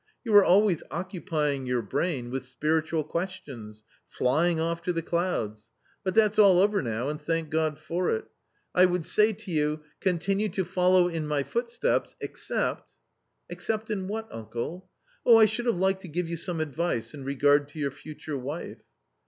You were always occupying your brain with spiritual questions, flying off to the clouds. But that's all over now, and thank God for it 1 I would say to you : Continue to follow in my footsteps, except "" Except in what, uncle ?"" Oh, I should have liked to give you some advice in regard to your future wife."